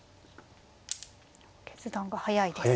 決断が速いですね。